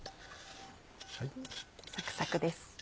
サクサクです。